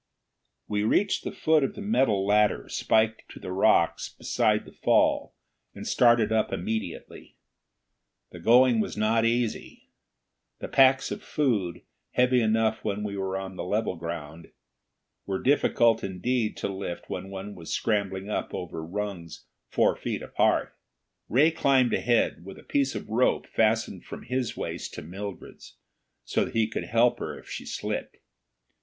We reached the foot of the metal ladder spiked to the rocks beside the fall and started up immediately. The going was not easy. The packs of food, heavy enough when we were on level ground, were difficult indeed to lift when one was scrambling up over rungs four feet apart. Ray climbed ahead, with a piece of rope fastened from his waist to Mildred's, so that he could help her if she slipped.